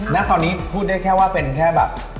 ณตอนนี้พูดได้แค่ว่าเป็นแค่แบบ